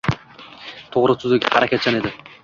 Tug'ri, tuzuk, harakatchan edi.